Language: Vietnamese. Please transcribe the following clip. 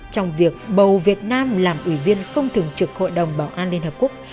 trong việc bầu việt nam làm ủy viên không thường trực hội đồng bảo an liên hợp quốc